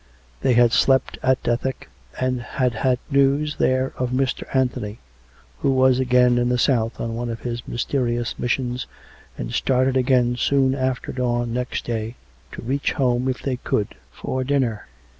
They had slept at Dethick, and had had news there of Mr. Anthony, who was again in the south on one of his mysterious missions, and started again soon after dawn next day to reach home, if they could, for dinner.